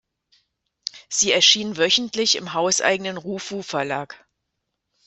Sie erschien wöchentlich im hauseigenen Rufu-Verlag.